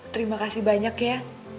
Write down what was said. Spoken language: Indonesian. terima kasih banyak ya